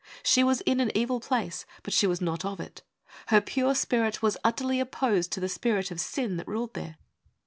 She was in an evil place, but she was not of it. Her pure spirit was utterly opposed to the spirit of sin that ruled there.